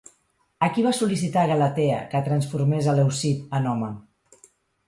A qui va sol·licitar Galatea que transformés a Leucip en home?